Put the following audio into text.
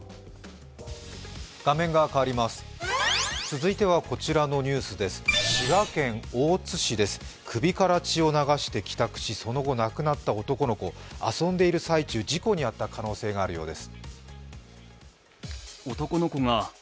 続いては滋賀県大津市です、首から血を流して帰宅しその後亡くなった男の子、遊んでいる最中、事故に遭った可能性があるようです。